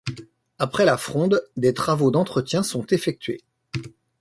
Après la Fronde, des travaux d'entretien sont effectués.